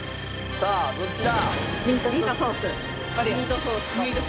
さあどっちだ？